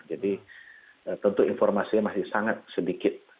jadi tentu informasinya masih sangat sedikit